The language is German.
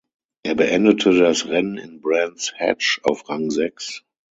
Er beendete das Rennen in Brands Hatch auf Rang sechs.